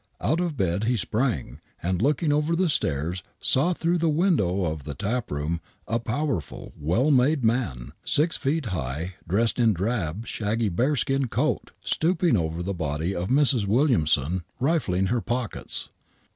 Ou' of bed he sprang, and,, looking over the stairs, saw through the window of the taproom a powerful, well made man, six feet high, dressed in drab, shaggy bearskin coat, stooping over the body of Mrs. Williamson, rifling her pockets.